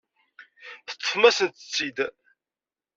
Teṭṭfem-asent-tt-id.